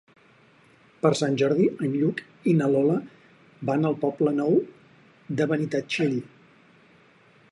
Per Sant Jordi en Lluc i na Lola van al Poble Nou de Benitatxell.